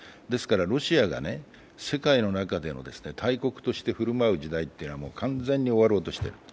ロシアが世界の中での大国として振る舞う時代は完全に終わろうとしている。